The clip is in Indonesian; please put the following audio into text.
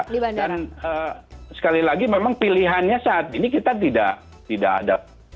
dan sekali lagi memang pilihannya saat ini kita tidak ada